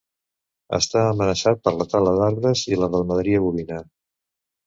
Està amenaçat per la tala d'arbres i la ramaderia bovina.